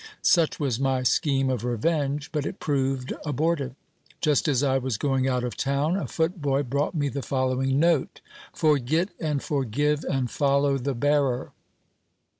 Such was my scheme of revenge, but it proved abortive. Just as I was going out of town, a footboy brought me the following note : "Forget and forgive, and follow the bearer."